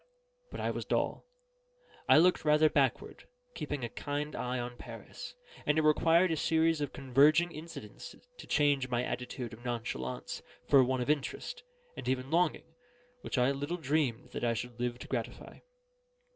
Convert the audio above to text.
But I was dull. I looked rather backward, keeping a kind eye on Paris; and it required a series of converging incidents to change my attitude of nonchalance for one of interest, and even longing, which I little dreamed that I should live to gratify.